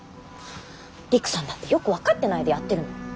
りくさんだってよく分かってないでやってるのよ